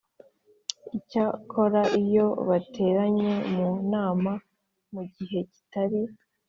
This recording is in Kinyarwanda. Icyakora iyo bateranye mu nama mu gihe kitari